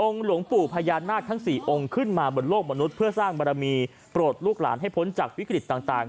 หลวงปู่พญานาคทั้ง๔องค์ขึ้นมาบนโลกมนุษย์เพื่อสร้างบารมีโปรดลูกหลานให้พ้นจากวิกฤตต่าง